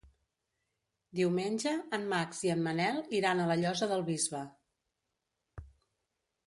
Diumenge en Max i en Manel iran a la Llosa del Bisbe.